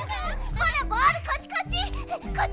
ほらボールこっちこっち！